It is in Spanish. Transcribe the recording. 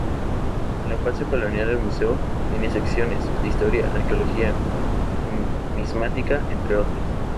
En la fase colonial el museo tenía secciones, de historia, arqueología, numismática, entre otras.